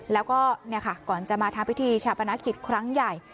แล้วก็ก่อนจะมาทำพิธีชาปนกิจครั้งใหญ่